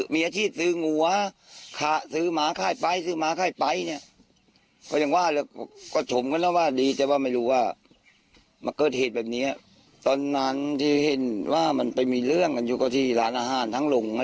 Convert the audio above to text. มาเกิดเหตุแบบเนี้ยตอนนั้นที่เห็นว่ามันไปมีเรื่องกันอยู่กับที่ร้านอาหารทั้งหลงอะไร